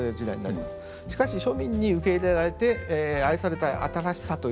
しかし庶民に受け入れられて愛された新しさというのはですね